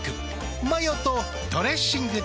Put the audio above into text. マヨとドレッシングで。